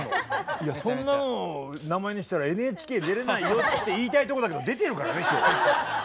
いや「そんなの名前にしたらＮＨＫ出れないよ」って言いたいとこだけど出てるからね今日。